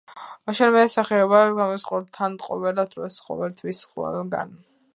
შენი მე სახება დამსდევს თან ყოველ დროს ყოველ თვის ყოველ გან